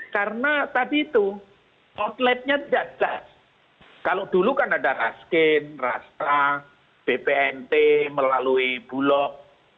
karena tadi itu outletnya jatuh kalau dulu kan ada raskin rasta bpnt melalui bulog